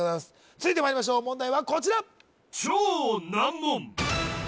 続いてまいりましょう問題はこちら